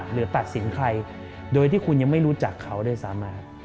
หรือตัดสินใครโดยที่คุณยังไม่รู้จักเขาด้วยซ้ำมา